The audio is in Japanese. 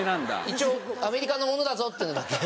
一応アメリカのものだぞっていうのだけ。